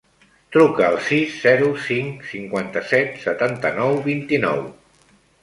Truca al sis, zero, cinc, cinquanta-set, setanta-nou, vint-i-nou.